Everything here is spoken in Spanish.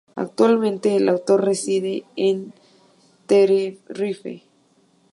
Actualmente el autor reside en Tenerife.